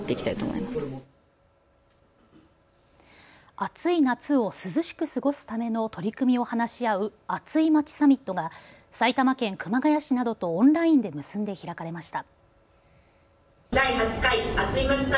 暑い夏を涼しく過ごすための取り組みを話し合う、アツいまちサミットが埼玉県熊谷市などとオンラインで結んで開かれました。